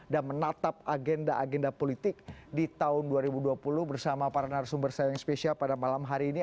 dan menatap agenda agenda politik di tahun dua ribu dua puluh bersama para narasumber saya yang spesial pada malam hari ini